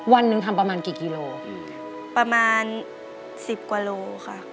วันหนึ่งทำประมาณกี่กิโลประมาณสิบกว่าโลค่ะ